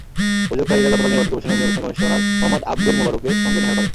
অভিযোগকারীরা গতকাল নির্বাচন কমিশনে নির্বাচন কমিশনার মোহাম্মদ আবদুল মোবারকের সঙ্গে দেখা করেন।